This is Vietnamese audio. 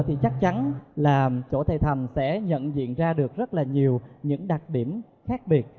thì chắc chắn là chỗ thầy thầm sẽ nhận diện ra được rất là nhiều những đặc điểm khác biệt